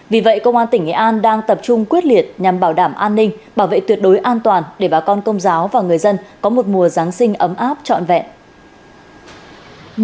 vì vậy công an tỉnh nghệ an đang tập trung quyết liệt nhằm bảo đảm an ninh bảo vệ tuyệt đối an toàn để bà con công giáo và người dân có một mùa giáng sinh ấm áp trọn vẹn